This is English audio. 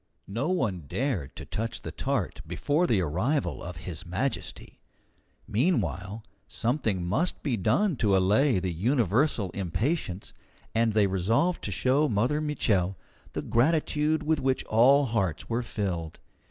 No one dared to touch the tart before the arrival of His Majesty. Meanwhile, something must be done to allay the universal impatience, and they resolved to show Mother Mitchel the gratitude with which all hearts were filled.